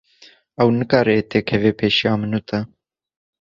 Ev nikare têkeve pêşiya min û te.